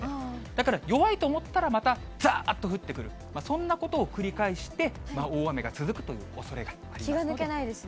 だから、弱いと思ったらまたざーっと降ってくる、そんなことを繰り返して、大雨が続くというおそれがあります。